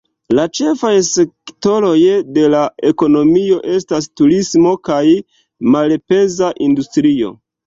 La ĉefaj sektoroj de la ekonomio estas turismo kaj malpeza industrio.